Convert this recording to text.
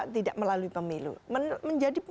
tidak melalui pemilu menjadi